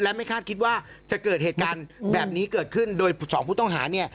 และไม่คาดคิดว่าจะเกิดเหตุการณ์แบบนี้เกิดขึ้นโดยสองผู้ต้องหาเนี่ย